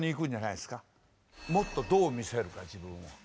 「もっとどう見せるか自分を」。